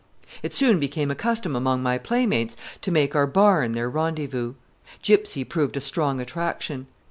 It soon became a custom among my playmates to make our barn their rendezvous. Gypsy proved a strong attraction.